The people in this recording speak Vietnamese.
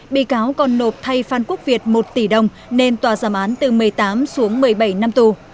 bị cáo còn nộp thay phan quốc việt một tỷ đồng nên tòa giảm án từ một mươi tám xuống một mươi bảy năm tù